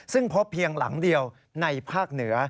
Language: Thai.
ซึ่งพบเพียงหลังเดียวในภาคเหนือ